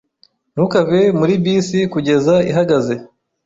Ntukave muri bisi kugeza ihagaze.